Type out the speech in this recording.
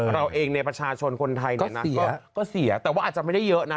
เราเองเนี่ยประชาชนคนไทยเนี่ยนะเสียก็เสียแต่ว่าอาจจะไม่ได้เยอะนะ